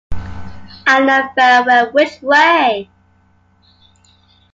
I know very well which way.